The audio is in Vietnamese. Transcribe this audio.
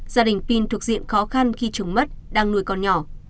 gia đình pin thuộc diện khó khăn khi chồng mất đang nuôi con nhỏ